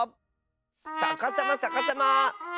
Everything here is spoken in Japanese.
さかさまさかさま。